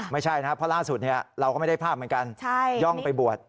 ไม่ใช่นะครับเพราะล่าสุดเราก็ไม่ได้ภาพเหมือนกันย่องไปบวช